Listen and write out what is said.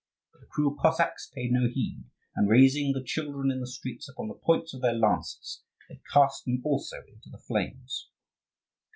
But the cruel Cossacks paid no heed; and, raising the children in the streets upon the points of their lances, they cast them also into the flames.